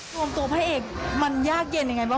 รวมตัวพระเอกมันยากเย็นยังไงบ้าง